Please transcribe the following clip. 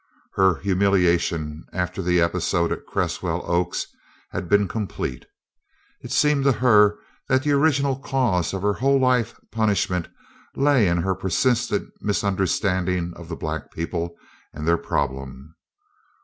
Her humiliation after the episode at Cresswell Oaks had been complete. It seemed to her that the original cause of her whole life punishment lay in her persistent misunderstanding of the black people and their problem.